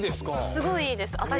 すごいいいです。